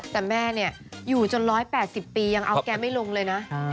แต่แม่เนี่ยอยู่จน๑๘๐ปียังเอาแกไม่ลงเลยนะ